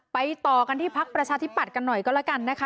ต่อกันที่พักประชาธิปัตย์กันหน่อยก็แล้วกันนะคะ